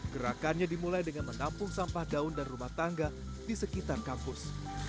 gerakannya dimulai dengan menampung sampah daun dan rumah tangga di sekitar kampus